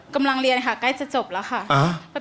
กำลังเรียนค่ะใกล้จะจบแล้วค่ะ